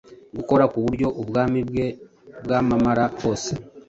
gukora ku buryo Ubwami bwe bwamamara hose.